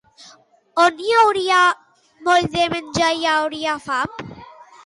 On hi hagi molt de menjar, hi haurà fam?